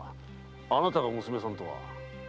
あなたが娘さんとは。